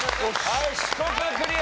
はい四国クリア！